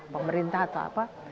pemerintah atau apa